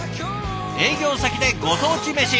営業先でご当地メシ。